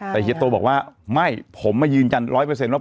แต่เฮียโตบอกว่าไม่ผมไม่ยืนยัน๑๐๐ว่า